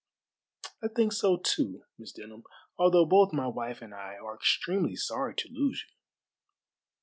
"I think so too, Miss Denham, although both my wife and I are extremely sorry to lose you."